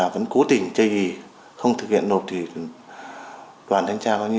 vẫn cố tình chây y không thực hiện nộp thì đoàn thanh tra